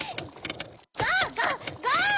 ゴーゴーゴー！